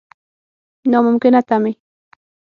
نا ممکنه تمې.